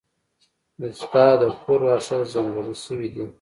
د تا د کور واښه ځنګلي شوي دي